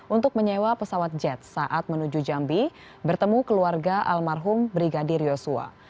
untuk menyewa pesawat jet saat menuju jambi bertemu keluarga almarhum brigadir yosua